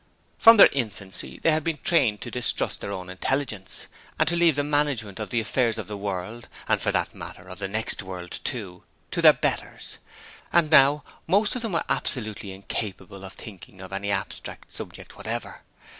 From their infancy they had been trained to distrust their own intelligence, and to leave the management of the affairs of the world and for that matter of the next world too to their betters; and now most of them were absolutely incapable of thinking of any abstract subject whatever.